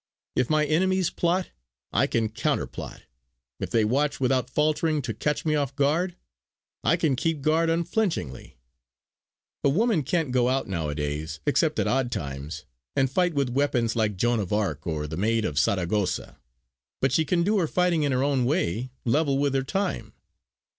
If my enemies plot, I can counter plot; if they watch without faltering to catch me off guard, I can keep guard unflinchingly. A woman can't go out now a days, except at odd times, and fight with weapons like Joan of Arc, or the Maid of Saragossa; but she can do her fighting in her own way, level with her time.